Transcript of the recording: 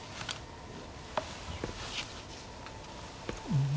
うん。